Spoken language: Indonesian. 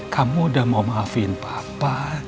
kamu udah mau maafin papa